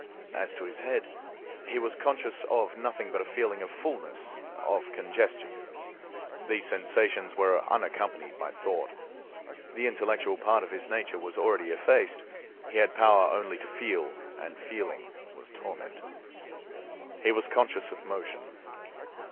As to his head, he was conscious of nothing but a feeling of fullness—of congestion. These sensations were unaccompanied by thought. The intellectual part of his nature was already effaced; he had power only to feel, and feeling was torment. He was conscious of motion.